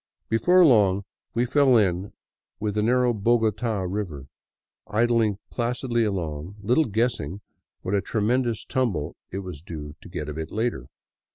Before long we fell in with the narrow Bogota river, idling placidly along, little guessing what a tremendous tumble it was due to get a bit later.